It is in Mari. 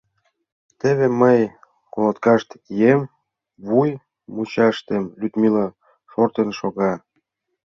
Теве мый колоткаште кием, вуй мучаштем Людмила шортын шога.